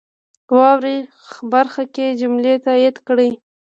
واورئ برخه کې جملې تایید کړئ.